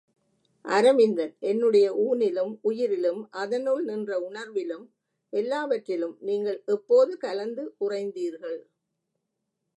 அரவிந்தன், என்னுடைய ஊனிலும் உயிரிலும் அதனுள் நின்ற உணர்விலும் எல்லாவற்றிலும் நீங்கள் எப்போது கலந்து உறைந்தீர்கள்?